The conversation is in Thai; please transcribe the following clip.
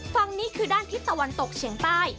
ฝั่งนี้คือด้านทิศตะวันตกเฉียงใต้